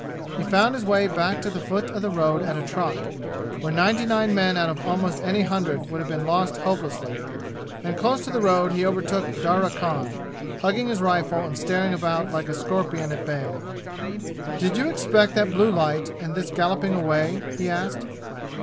He found his way back to the foot of the road at a trot, where ninety nine men out of almost any hundred would have been lost hopelessly; and close to the road he overtook Darya Khan, hugging his rifle and staring about like a scorpion at bay. "Did you expect that blue light, and this galloping away?" he asked.